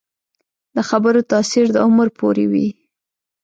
د خبرو تاثیر د عمر پورې وي